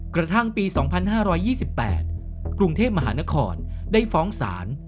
กระทั่งปี๒๕๒๘กรุงเทพมหานครได้ฟ้องศาล